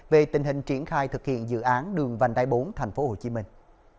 về tình hình triển khai thực hiện dự án đường vành đai bốn thành phố hồ chí minh